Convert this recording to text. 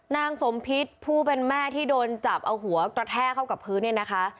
นางสมพิษผู้เป็นแม่ที่โดนจับเอาหัวกระแทกเข้ากับพื้นเนี่ยนะคะ